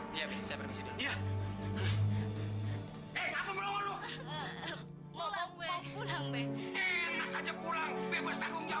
tapi bagaimana dengan laras serti